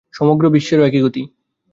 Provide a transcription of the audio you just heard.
সমগ্র বিশ্বেরও ঐ একই গতি।